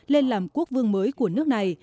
lên làm quốc vương mới của nước này